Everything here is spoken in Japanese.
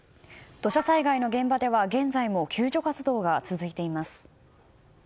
土砂災害の現場では現在も救助活動が続いています。